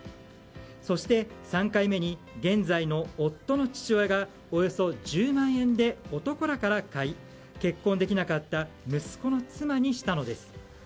そして、３回目に現在の夫の父親がおよそ１０万円で男らから買い結婚できなかった息子の妻にしたのです。